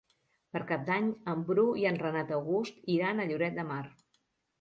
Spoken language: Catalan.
Per Cap d'Any en Bru i en Renat August iran a Lloret de Mar.